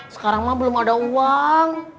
sekarang mah belum ada uang